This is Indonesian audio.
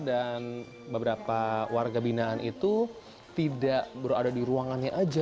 dan beberapa warga binaan itu tidak berada di ruangannya aja